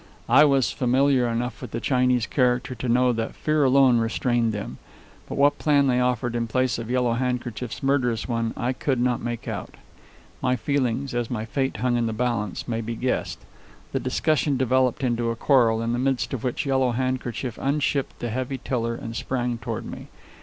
I was familiar enough with the Chinese character to know that fear alone restrained them. But what plan they offered in place of Yellow Handkerchief's murderous one, I could not make out. My feelings, as my fate hung in the balance, may be guessed. The discussion developed into a quarrel, in the midst of which Yellow Handkerchief unshipped the heavy tiller and sprang toward me.